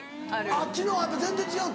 あっちの方は全然違う？